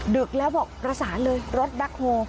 ดึกแล้วบอกประสานเลยรถแบ็คโฮ